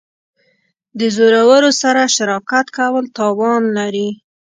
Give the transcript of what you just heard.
د زورورو سره شراکت کول تاوان لري.